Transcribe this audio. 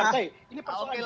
ini persoalan demokrasi